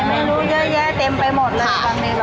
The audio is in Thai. ไม่รู้เยอะแยะเต็มไปหมดเลย